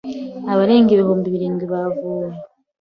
abarenga ibihumbi birindwi bavuwe